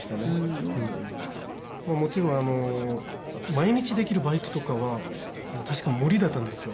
もちろん毎日できるバイトとかは確か無理だったんですよ。